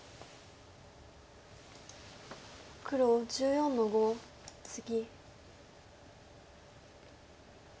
黒１４の五ツギ。